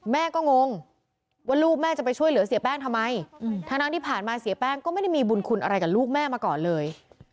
แม่ก็งงว่าลูกแม่จะไปช่วยเหลือเสียแป้งทำไมทั้งที่ผ่านมาเสียแป้งก็ไม่ได้มีบุญคุณอะไรกับลูกแม่มาก่อนเลย